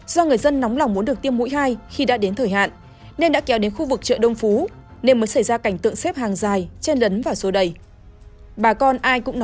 do người dân nóng lòng muốn được tiêm mũi hai khi đã đến thời hạn nên đã kéo đến khu vực chợ đông phú nên mới xảy ra cảnh tượng xếp hàng dài chen lấn vào sô đầy